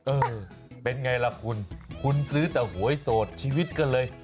เออเป็นไงล่ะคุณคุณซื้อแต่หวยโสดชีวิตก็เลย